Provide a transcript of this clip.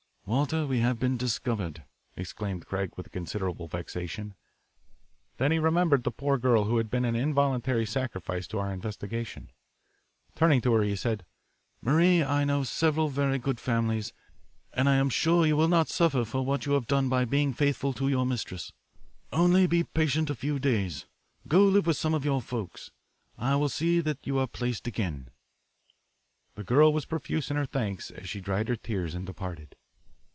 "Walter, we have been discovered," exclaimed Craig with considerable vexation. Then he remembered the poor girl who had been an involuntary sacrifice to our investigation. Turning to her he said: "Marie, I know several very good families, and I am sure you will not suffer for what you have done by being faithful to your mistress. Only be patient a few days. Go live with some of your folks. I will see that you are placed again." The girl was profuse in her thanks as she dried her tears and departed.